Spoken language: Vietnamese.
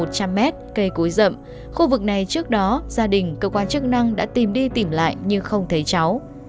trên cây cúi rậm khu vực này trước đó gia đình cơ quan chức năng đã tìm đi tìm lại nhưng không thấy cháu